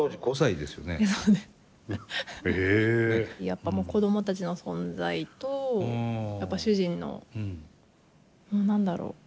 やっぱもう子供たちの存在とやっぱ主人の何だろう